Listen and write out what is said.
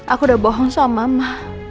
aku udah bohong sama mama